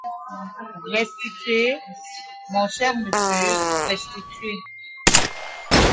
Restituez, mon cher monsieur, restituez !